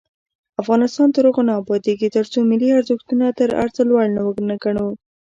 افغانستان تر هغو نه ابادیږي، ترڅو ملي ارزښتونه تر هر څه لوړ ونه ګڼو.